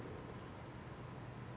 jadi harus dikeluarkan